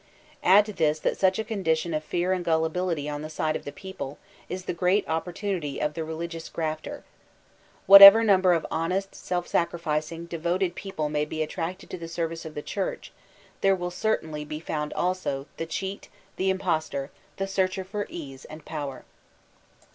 Add to this that such a condition of fear and gullibility on the side of the people, is the great opportunity of the religious "grafter.*' Whatever number of honest, self sacrificing, devoted people may be attracted to the service of the Churdi, there will certainly be f oond also, the cheat, the impostor, the searcher for ease and power.